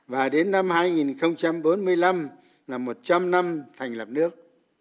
và đến năm hai nghìn bốn mươi năm là một trăm linh năm thành lập nước